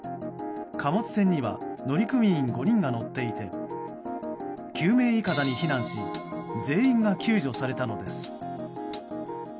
貨物船には乗組員５人が乗っていて救命いかだに避難し全員が救助されたのです。